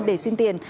để xin tiền